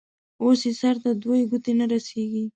اوس يې سر ته دوې گوتي نه رسېږي.